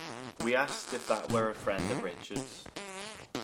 We asked if that were a friend of Richard's.